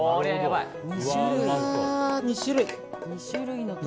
２種類。